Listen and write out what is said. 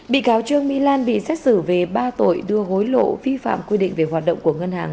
bị cáo trương mỹ lan bị xét xử về ba tội đưa hối lộ vi phạm quy định về hoạt động của ngân hàng